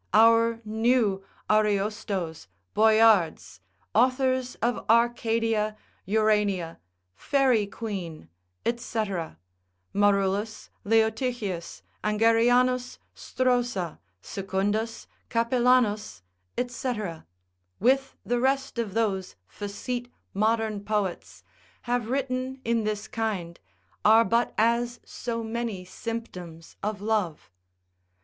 Our new Ariostoes, Boyards, Authors of Arcadia, Urania, Faerie Queen, &c. Marullus, Leotichius, Angerianus, Stroza, Secundus, Capellanus, &c. with the rest of those facete modern poets, have written in this kind, are but as so many symptoms of love.